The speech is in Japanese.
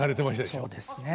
そうですね。